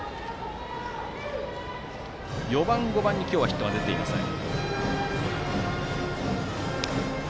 ４番、５番に今日はヒットが出ていません。